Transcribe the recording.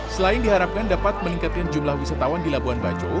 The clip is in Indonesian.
selain diharapkan dapat meningkatkan jumlah wisatawan di labuan bajo